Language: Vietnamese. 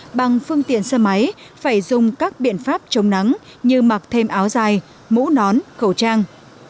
bằng phương tiện xe máy phải dùng các biện pháp chống nắng như mặc thêm áo dài mũ nón khẩu trang